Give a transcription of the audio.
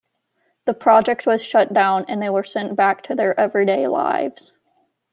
The project was shut down and they were sent back to their everyday lives.